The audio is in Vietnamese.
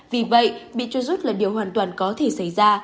vì vậy bị trôi rút là điều hoàn toàn có thể xảy ra